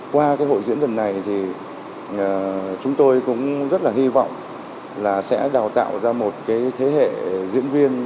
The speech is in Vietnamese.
qua cái hội diễn lần này thì chúng tôi cũng rất là hy vọng là sẽ đào tạo ra một cái thế hệ diễn viên